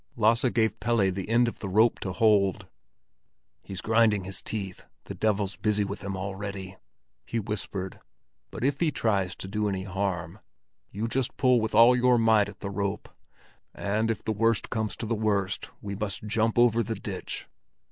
Lasse gave Pelle the end of the rope to hold. "He's grinding his teeth; the devil's busy with him already," he whispered. "But if he tries to do any harm, just you pull with all your might at the rope; and if the worst comes to the worst, we must jump over the ditch."